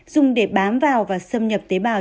dùng để bám vào và xâm nhập tế bào